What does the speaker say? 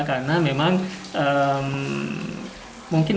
karena memang mungkin keunggulan